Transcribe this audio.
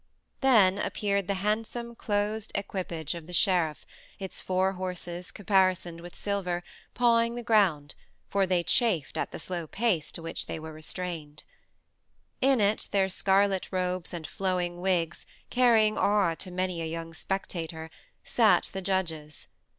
Then appeared the handsome, closed equipage of the sheriff, its four horses, caparisoned with silver, pawing the ground, for they chafed at the slow pace to which they were restrained. In it, in their scarlet robes and flowing wigs, carrying awe to many a young spectator, sat the judges.